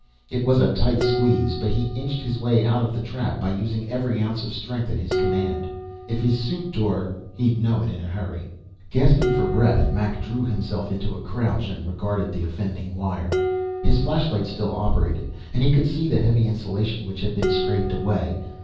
It was a tight squeeze, but he inched his way out of the trap by using every ounce of strength at his command. If his suit tore, he'd know it in a hurry. Gasping for breath, Mac drew himself into a crouch and regarded the offending wire. His flashlight still operated, and he could see the heavy insulation which had been scraped away.